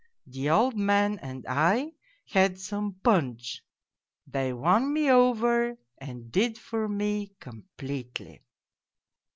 The old man and I had some punch they won me over and did for me completely.